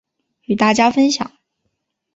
与大家分享